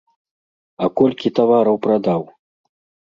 А колькі тавараў прадаў?